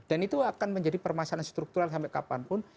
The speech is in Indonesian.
dan itu akan menjadi permasalahan struktural sampai kapanpun